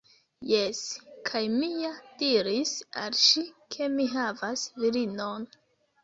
Jes! Kaj mi ja diris al ŝi ke mi havas virinon